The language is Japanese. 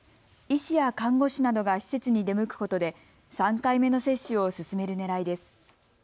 医師や看護師などが施設に出向くことで３回目の接種を進めるねらいです。